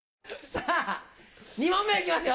さぁ２問目行きますよ！